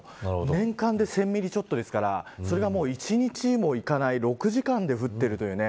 年間で１０００ミリちょっとですからそれが１日もいかない６時間で降っているというね。